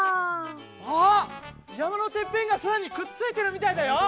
あっやまのてっぺんがそらにくっついてるみたいだよ！